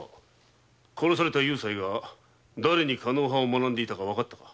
殺された夕斎がだれに狩野派を学んでいたかわかったか？